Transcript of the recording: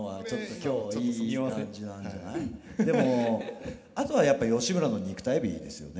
でもあとはやっぱ義村の肉体美ですよね。